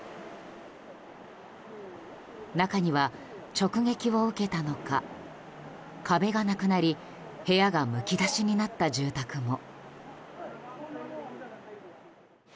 中には直撃を受けたのか壁がなくなり部屋がむき出しになった住宅も。